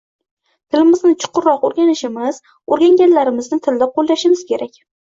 Tilimizni chuqurroq o‘rganishimiz, o‘rganganlarimizni tilda qo‘llashimiz kerak.